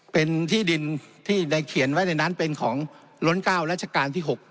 เป็นที่ดินที่ได้เขียนไว้ในนั้นเป็นของล้น๙รัชกาลที่๖